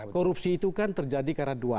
korupsi itu kan terjadi karena dua